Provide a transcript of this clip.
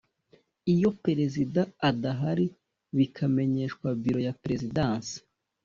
iyo Perezida adahari bikamenyeshwa Biro ya perezidansi